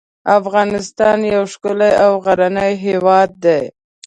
افغانستان یو ښکلی او غرنی هیواد دی .